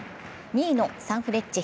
２位のサンフレッチェ